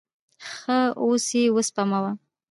ښه، اوس یی وسپموه